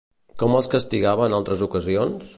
Com els castigava en altres ocasions?